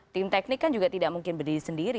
tim teknik kan juga tidak mungkin berdiri sendiri